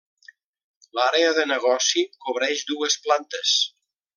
L'àrea de negoci cobreix dues plantes.